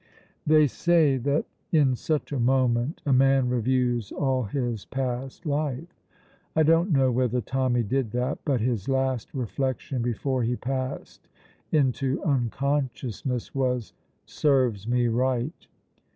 They say that in such a moment a man reviews all his past life. I don't know whether Tommy did that; but his last reflection before he passed into unconsciousness was "Serves me right!"